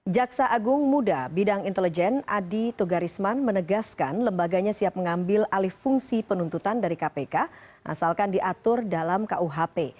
jaksa agung muda bidang intelijen adi togarisman menegaskan lembaganya siap mengambil alih fungsi penuntutan dari kpk asalkan diatur dalam kuhp